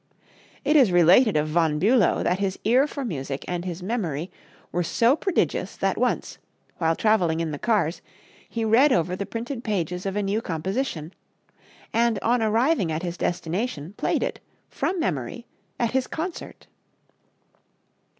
It is related of Von Bülow that his ear for music and his memory were so prodigious that once, while traveling in the cars, he read over the printed pages of a new composition, and on arriving at his destination, played it, from memory, at his concert.